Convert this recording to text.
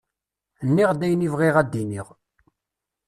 Nniɣ-d ayen i bɣiɣ ad d-iniɣ.